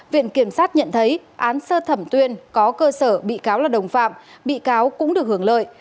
viện kiểm sát nhận thấy án sơ thẩm tuyên có cơ sở bị cáo là đồng phạm bị cáo cũng được hưởng lợi